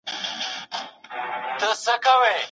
ورزش مو د خپګان مخه نیسي.